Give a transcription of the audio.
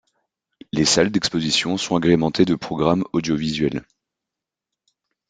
Les salles d'exposition sont agrémentés de programmes audio-visuels.